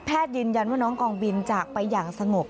ยืนยันว่าน้องกองบินจากไปอย่างสงบ